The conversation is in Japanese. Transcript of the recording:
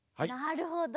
なるほど。